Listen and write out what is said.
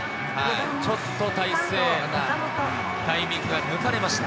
ちょっと体勢、タイミングが抜かれました。